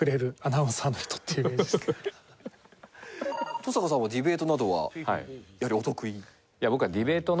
登坂さんはディベートなどはやはりお得意？